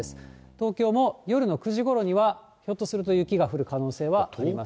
東京も夜の９時ごろには、ひょっとすると雪が降る可能性はあります。